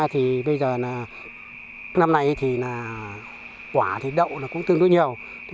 thì bây giờ là năm nay thì quả thì đậu là cũng tốt